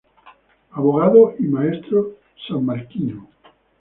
Abogado y maestro sanmarquino.